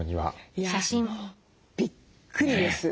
いやびっくりです。